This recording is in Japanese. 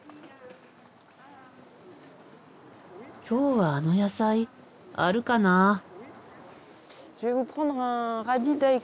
今日はあの野菜あるかなあ。